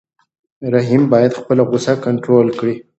رحیم باید خپله غوسه کنټرول کړي.